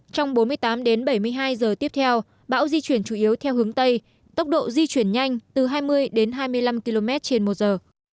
trong bốn mươi tám đến bảy mươi hai giờ tiếp theo bão di chuyển chủ yếu theo hướng tây tốc độ di chuyển nhanh từ hai mươi đến hai mươi năm km trên một giờ